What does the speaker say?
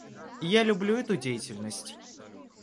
Я люблю эту деятельность.